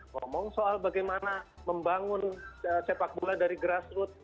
ngomong soal bagaimana membangun sepak bola dari grassroot